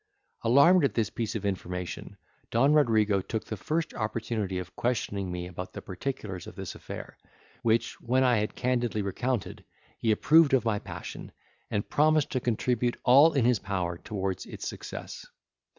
Alarmed at this piece of information, Don Rodrigo took the first opportunity of questioning me about the particulars of this affair, which when I had candidly recounted, he approved of my passion, and promised to contribute all in his power towards its success.